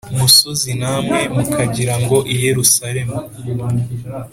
musozi namwe mukagira ngo i Yerusalemu